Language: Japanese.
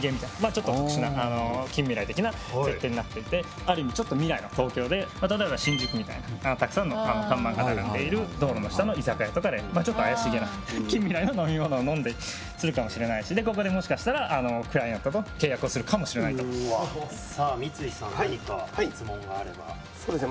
ちょっと特殊なあの近未来的な設定になっていてある意味ちょっと未来の東京でまただから新宿みたいなたくさんの看板が並んでいる道路の下の居酒屋とかでまあちょっと怪しげな近未来の飲み物を飲んでするかもしれないしでここでもしかしたらあのクライアントと契約をするかもしれないとうわさあ三井さん何か質問があればそうですね